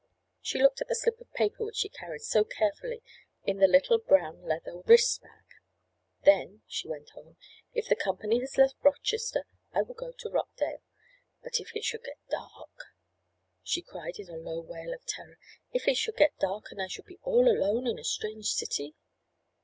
She looked at the slip of paper which she carried so carefully in the little brown leather wrist bag. "Then," she went on, "if the company has left Rochester I will go to Rockdale. But if it should get dark!" she cried in a low wail of terror. "If it should get dark and I should be all alone in a strange city!"